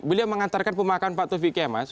beliau mengantarkan pemakaman pak tovik kemas